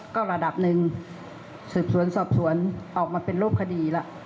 ก็ระดับหนึ่งสืบสวนสอบสวนออกมาเป็นรูปคดีแล้ว